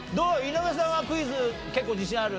井上さんはクイズ結構自信ある？